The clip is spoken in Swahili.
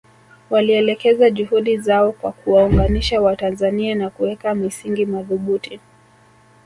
Walielekeza juhudi zao kwa kuwaunganisha Watanzania na kuweka misingi madhubuti